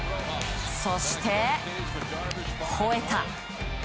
そして、ほえた！